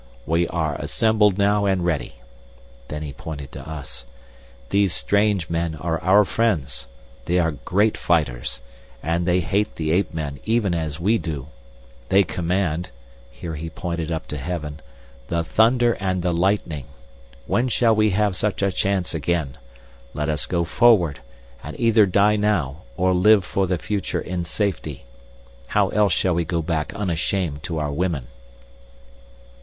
We are assembled now and ready." Then he pointed to us. "These strange men are our friends. They are great fighters, and they hate the ape men even as we do. They command," here he pointed up to heaven, "the thunder and the lightning. When shall we have such a chance again? Let us go forward, and either die now or live for the future in safety. How else shall we go back unashamed to our women?"